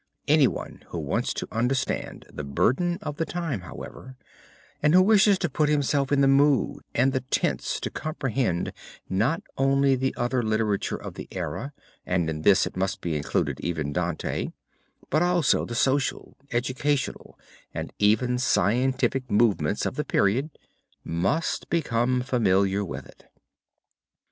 Anyone who wants to understand the burden of the time, however, and who wishes to put himself in the mood and the tense to comprehend not only the other literature of the era, and in this must be included even Dante, but also the social, educational, and even scientific movements of the period, must become familiar with it.